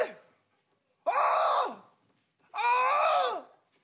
あ！あ！」。